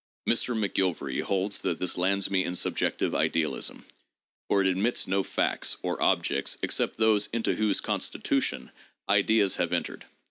Mr. McGilvary holds that this lands me in subjective idealism — for it admits no "facts" or "objects" except those into whose constitution "ideas" have entered.